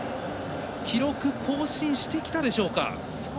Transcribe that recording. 記録更新してきたでしょうか。